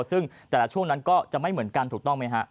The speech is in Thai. ซึ่งแต่ละช่วงนั้นก็จะไม่เหมือนกันถูกต้องไหมฮะ